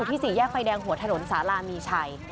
ที่สี่แยกไฟแดงหัวถนนสาลามีชัย